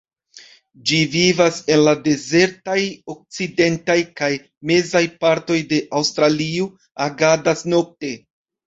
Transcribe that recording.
Ĝi vivas en la dezertaj okcidentaj kaj mezaj partoj de Aŭstralio, agadas nokte.